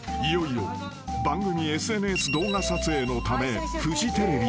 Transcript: ［いよいよ番組ＳＮＳ動画撮影のためフジテレビへ］